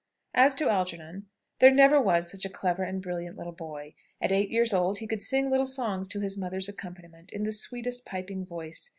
As to Algernon, there never was such a clever and brilliant little boy. At eight years old he could sing little songs to his mother's accompaniment, in the sweetest piping voice.